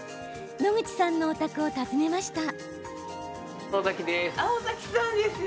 野口さんのお宅を訪ねました。